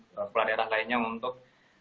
pelabuhan daerah lainnya untuk